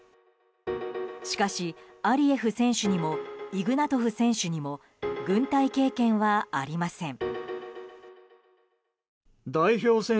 しかし、アリエフ選手にもイグナトフ選手にも軍隊経験はありません。